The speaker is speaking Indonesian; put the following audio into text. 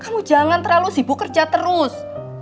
kamu jangan terlalu sibuk kerja terus